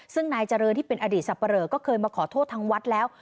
ซึ่งนายเจริญที่เป็นอดีตสับปะเหลอก็เคยมาขอโทษทางวัดแล้ว